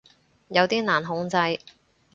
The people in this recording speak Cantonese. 有啲難控制